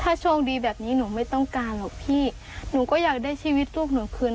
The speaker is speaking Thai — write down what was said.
ถ้าช่างดีแบบนี้หนูไม่ต้องการเพียงที่หนูก็อยากได้ชีวิตต้นเป็นคุณมากเมื่อก่อน